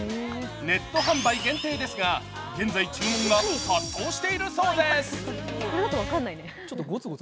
ネット販売限定ですが、現在注文が殺到しているそうです。